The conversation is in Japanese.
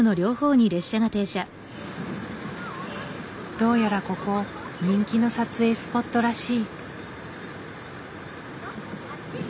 どうやらここ人気の撮影スポットらしい。